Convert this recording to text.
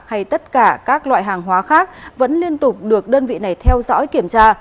hay tất cả các loại hàng hóa khác vẫn liên tục được đơn vị này theo dõi kiểm tra